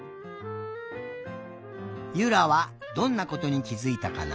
ゆらはどんなことにきづいたかな？